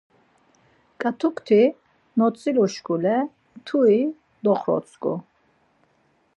Ǩat̆uk ti notziluşkule mtugi doxrotzǩu.